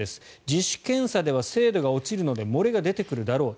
自主検査では精度が落ちるので漏れが出てくるだろう